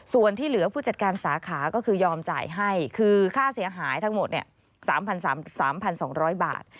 ส่วนที่เหลือผู้จัดการสาขาก็คือยอมจ่ายให้คือค่าเสียหายทั้งหมด๓๒๐๐บาท